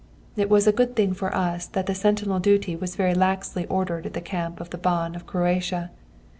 "It was a good thing for us that sentinel duty was very laxly ordered in the camp of the Ban of Croatia.